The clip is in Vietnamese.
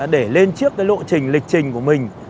để lên trước cái lộ trình lịch trình của mình